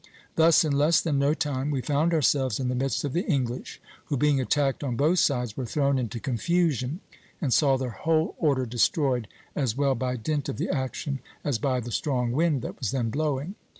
"Thus in less than no time we found ourselves in the midst of the English; who, being attacked on both sides, were thrown into confusion and saw their whole order destroyed, as well by dint of the action, as by the strong wind that was then blowing.